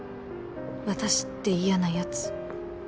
私って嫌なやつ